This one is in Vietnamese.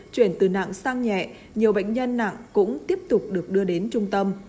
chuyển từ nặng sang nhẹ nhiều bệnh nhân nặng cũng tiếp tục được đưa đến trung tâm